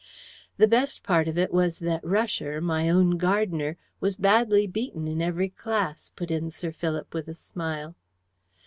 "The best part of it was that Rusher, my own gardener, was beaten badly in every class," put in Sir Philip, with a smile.